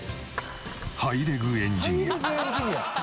ハイレグエンジニア？